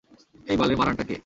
এই বালের মারানটা কে?